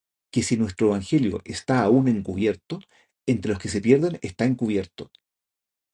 Que si nuestro evangelio está aún encubierto, entre los que se pierden está encubierto: